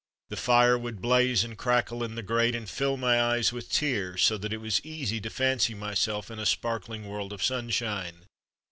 The fire would blaze and crackle in the grate and fill my eyes with tears, so that it was easy to fancy myself in a sparkling world of sunshine.